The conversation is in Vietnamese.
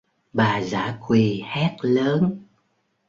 Bà dã quỳ hét lớn